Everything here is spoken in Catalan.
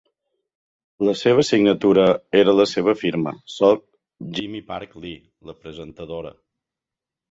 La seva signatura era la seva firma: Soc Gimmy Park Li, la presentadora.